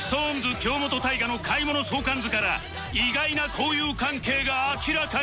京本大我の買い物相関図から意外な交友関係が明らかに！